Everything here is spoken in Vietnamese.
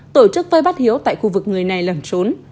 tổ chức vây bắt hiếu tại khu vực người này lẩn trốn